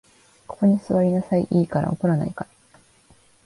ここに坐りなさい、いいから。怒らないから。